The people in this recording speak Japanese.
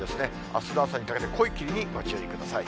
あすの朝にかけて濃い霧にご注意ください。